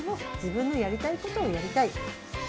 自分のやりたいことをやりたい。